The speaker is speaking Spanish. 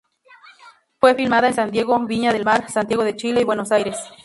Fue filmada en San Diego, Viña del Mar, Santiago de Chile y Buenos Aires.